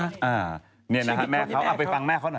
อ่าลี่นะเอาไปฟังแม่ของเขาหน่อย